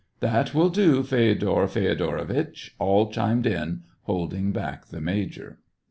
" That will do, Feodor Feodoritch !" all chimed in, holding back the major.